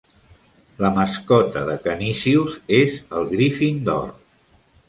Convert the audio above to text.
La mascota de Canisius és el Griffin d'or.